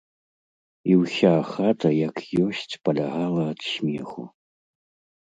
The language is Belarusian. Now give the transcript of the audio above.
І ўся хата, як ёсць, палягала ад смеху.